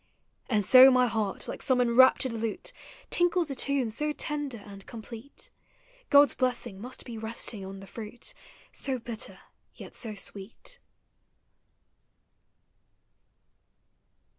And so my heart, like some enraptured lute, Tinkles a tune so tender and complete, God's blessing must be resting on the fruit So bitter, yet so sweet